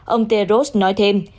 ông teros nói thêm